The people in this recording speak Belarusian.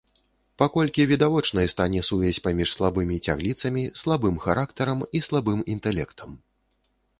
Паколькі відавочнай стане сувязь паміж слабымі цягліцамі, слабым характарам і слабым інтэлектам.